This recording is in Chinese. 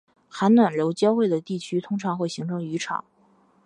寒暖流交汇的地区通常会形成渔场